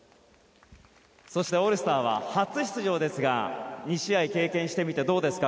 そして、オールスターは初出場ですが２試合経験してみてどうですか？